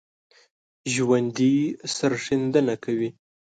ژوندي سرښندنه کوي